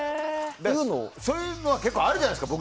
そういうのは結構あるじゃないですか。